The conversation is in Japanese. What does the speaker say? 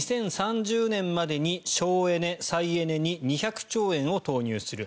２０３０年までに省エネ、再エネに２００兆円を投入する。